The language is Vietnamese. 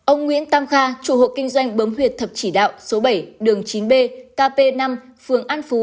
ông nguyễn tam kha chủ hộ kinh doanh bấm huyệt thập chỉ đạo số bảy đường chín b kp năm phường an phú